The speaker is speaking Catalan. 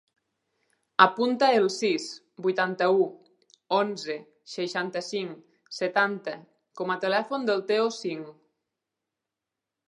Apunta el sis, vuitanta-u, onze, seixanta-cinc, setanta com a telèfon del Teo Singh.